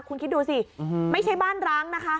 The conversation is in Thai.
คุณคิดดูสิไม่ใช่บ้านร้างนะคะ